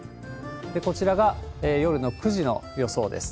こちらが夜の９時の予想です。